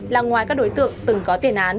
là ngoài các đối tượng từng có tiền án